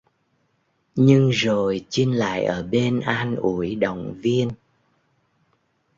Nhưng rồi Chinh lại ở bên An ủi động viên